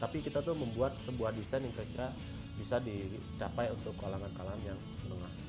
tapi kita tuh membuat sebuah desain yang kira kira bisa dicapai untuk kalangan kalangan yang menengah